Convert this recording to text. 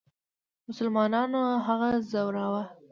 مسلمانانو هغه ځوراوه.